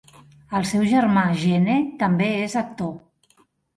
El seu germà Gene també és actor.